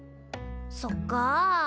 そっか。